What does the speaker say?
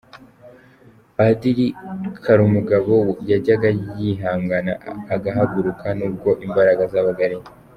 Padiri Karumugabo yajyaga yihangana agahaguruka nubwo imbaraga zabaga ari nke